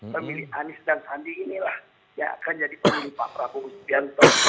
pemilih anies dan sandi inilah yang akan jadi pemilih pak prabowo subianto